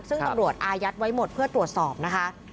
ซึ่งตำรวจอายัดไว้หมดเพื่อตรวจสอบนะคะ